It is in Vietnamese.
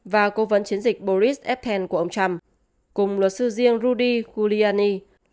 và cố vấn chiến dịch boris eften của ông trump cùng luật sư riêng rudy giuliani